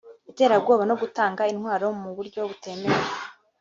iterabwoba no gutunga intwaro mu buryo butemewe